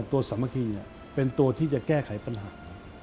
สามัคคีเป็นตัวที่จะแก้ไขปัญหา